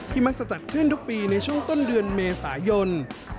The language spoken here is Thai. มักจะจัดขึ้นทุกปีในช่วงต้นเดือนเมษายน